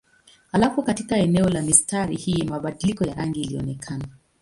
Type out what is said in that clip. Halafu katika eneo la mistari hii mabadiliko ya rangi ilionekana.